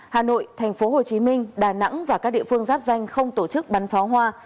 hà nội tp hcm đà nẵng và các địa phương giáp danh không tổ chức bắn phó hoa